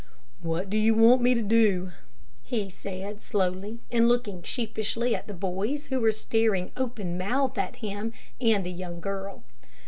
"What do you want me to do?" he said, slowly, and looking sheepishly at the boys who were staring open mouthed at him and the young girl.